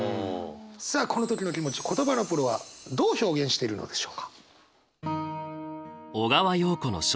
さあこの時の気持ち言葉のプロはどう表現しているのでしょうか？